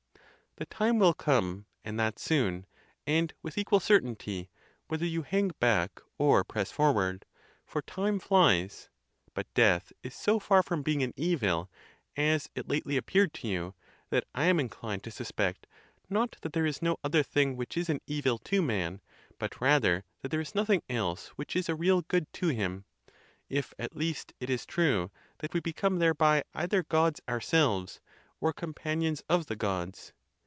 The time will come, and that soon, and with equal certainty, whether you hang back or press forward; for time flies. But death is so far from being an evil, as it lately appeared to you, that I am inclined to suspect, not that there is no other thing which is an evil to man, but rather that there is nothing else which is a real good to him; if, at least, it is true that we become thereby either Gods ourselves, or companions of the Gods.